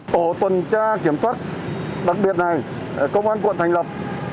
tổ tuần tra kiểm soát đặc biệt này công an quận thành lập